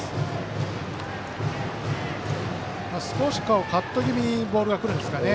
少しカット気味にボールが来るんですかね。